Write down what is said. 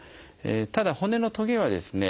ただ骨のトゲはですね